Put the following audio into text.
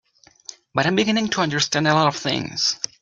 But I'm beginning to understand a lot of things.